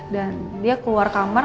dan dia keluar kamar